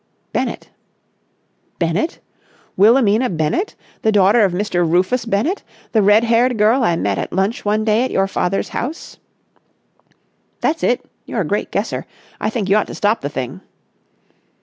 "Bennett." "Bennett? Wilhelmina Bennett? The daughter of Mr. Rufus Bennett? The red haired girl I met at lunch one day at your father's house?" "That's it. You're a great guesser. I think you ought to stop the thing."